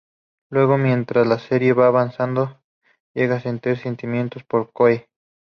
Luego, mientras la serie va avanzando llega a sentir sentimientos por Kohei.